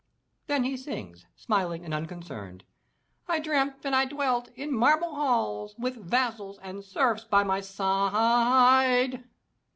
Then he sings, smiling and unconcerned: "/ dreamt that I dwelt in marble halls. With vassals and serfs by my si hi hide!"